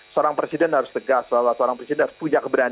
seorang presiden harus punya keberadaan seorang presiden harus punya keberadaan